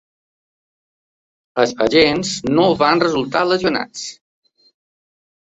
Els agents no van resultar lesionats.